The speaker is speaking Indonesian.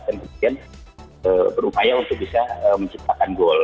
dan kemudian berupaya untuk bisa menciptakan gol